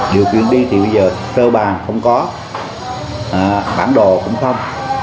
điều chuyến đi thì bây giờ sơ bàn không có bản đồ cũng không